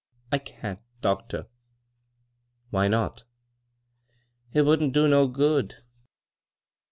" I can't, doctor." "Why not?" " It wouldn't do no good."